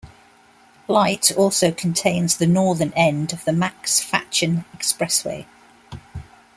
Light also contains the northern end of the Max Fatchen Expressway.